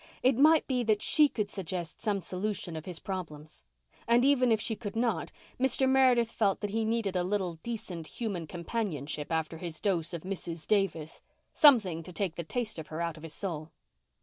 It might be that she could suggest some solution of his problems. And even if she could not Mr. Meredith felt that he needed a little decent human companionship after his dose of Mrs. Davis—something to take the taste of her out of his soul.